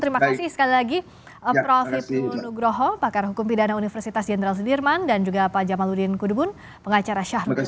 terima kasih sekali lagi prof hipnu nugroho pakar hukum pidana universitas jenderal sudirman dan juga pak jamaludin kudubun pengacara syahrul